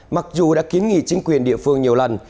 mặc dù đã kiến nghị chính quyền địa phương nhiều lần